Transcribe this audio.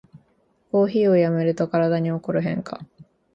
コーヒーをやめると体に起こる変化